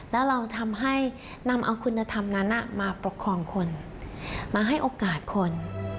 แล้วเราทำให้นำเอาคุณธรรมนั้นมาประคองคนมาให้โอกาสคน